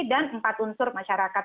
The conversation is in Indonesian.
dan empat unsur masyarakat